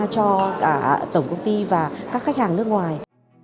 cho cả tổng công ty và các khách hàng nước ngoài